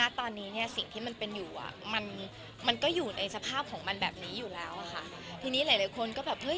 อาจารย์ลาทค์เนี่ยฟันธงไปไกลถึงปี๖๒อะไรอย่างเนี่ย